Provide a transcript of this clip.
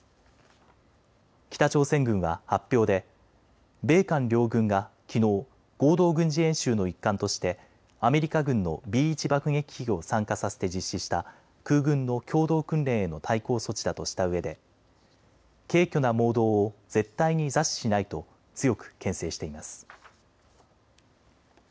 北朝鮮軍は発表で米韓両軍がきのう合同軍事演習の一環としてアメリカ軍のＢ１爆撃機を参加させて実施した空軍の共同訓練への対抗措置だとしたうえで軽挙な妄動を絶対に座視しないと強くけん制しています。